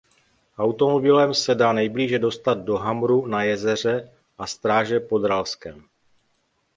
Automobilem se dá nejblíže dostat do Hamru na Jezeře a Stráže pod Ralskem.